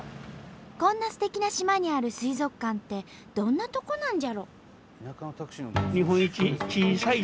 こんなすてきな島にある水族館ってどんなとこなんじゃろ？